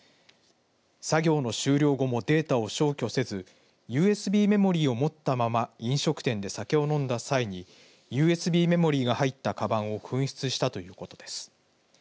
作業の終了後もデータを消去せずＵＳＢメモリーを持ったまま飲食店で酒を飲んだ際にＵＳＢメモリーが入ったかばんを紛失したということです。